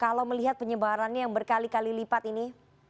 kalau melihat penyebarannya yang berkali kali lipat ini